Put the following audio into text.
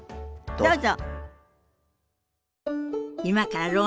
どうぞ。